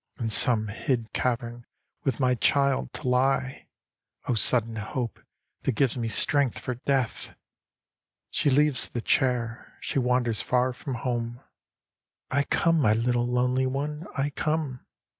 In some hid cavern with my child to lie — O sudden hope, that gives me strength for death !" She leaves the chair : she wanders far from home :" I come, my little lonely one, I come